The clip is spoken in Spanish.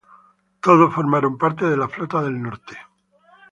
Todos formaron parte de la Flota del Norte.